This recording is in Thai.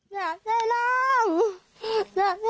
อยากได้ร่างอยากได้ร่างเงิน